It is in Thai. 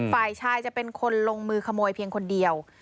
ฝ่ายชายจะเป็นคนลงมือขโมยเพียงคนเดียว